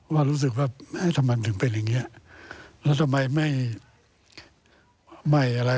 ว่ารู้สึกว่าถ้ามันถึงเป็นอย่างนี้แล้วทำไมไม่อะไรคล้าย